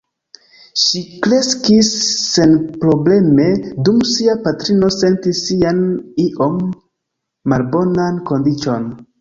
Ŝi kreskis senprobleme dum sia patrino sentis sian iom malbonan kondiĉon.